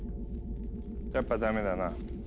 やっぱダメだな。